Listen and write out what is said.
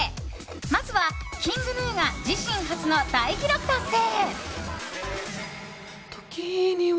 まずは、ＫｉｎｇＧｎｕが自身初の大記録達成。